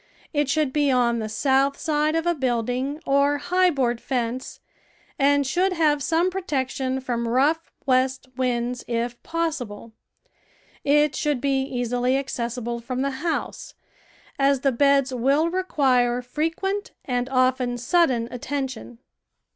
It should be on the south side of a building or high board fence, and should have some protection from rough west winds if possi ble. It should be easily accessible from the house, THE VEGETABLE GARDEN as the beds will require frequent and often sudden attention.